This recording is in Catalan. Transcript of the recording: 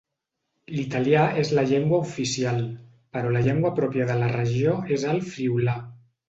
L'italià és la llengua oficial, però la llengua pròpia de la regió és el friülà.